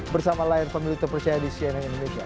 bersama layar pemilu yang percaya di cnn indonesia